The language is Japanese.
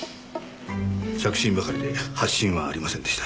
着信ばかりで発信はありませんでした。